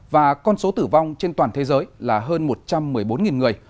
và con số tử vong trên toàn thế giới là hơn một trăm một mươi bốn người